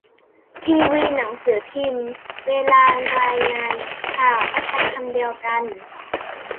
ทีวีหนังสือพิมพ์เวลารายงานข่าวก็ใช้คำเดียวกัน